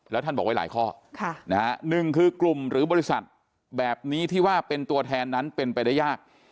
แล้วท่านบอกไว้หลายข้อหนึ่งคือกลุ่มหรือบริษัทแบบนี้ที่ว่าเป็นตัวแทนนั้นเป็นไปได้ยาก